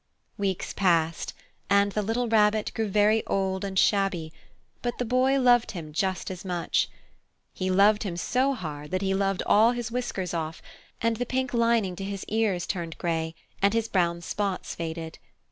Weeks passed, and the little Rabbit grew very old and shabby, but the Boy loved him just as much. He loved him so hard that he loved all his whiskers off, and the pink lining to his ears turned grey, and his brown spots faded.